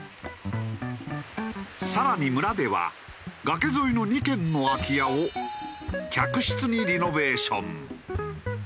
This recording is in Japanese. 更に村では崖沿いの２軒の空き家を客室にリノベーション。